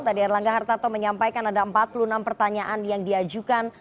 tadi erlangga hartarto menyampaikan ada empat puluh enam pertanyaan yang diajukan